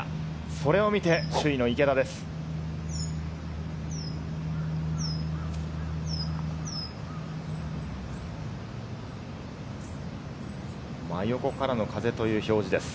それを見て、首位の池田です。